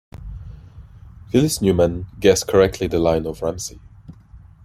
Phyllis Newman guessed correctly the line of Ramsey.